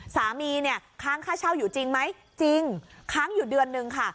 สามีเนี่ยค้างค่าเช่าอยู่จริงไหมจริงค้างอยู่เดือนนึงค่ะ